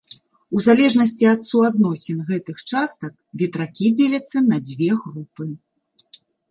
У залежнасці ад суадносін гэтых частак ветракі дзеляцца на дзве групы.